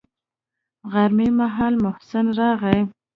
غرمې مهال محسن راغى.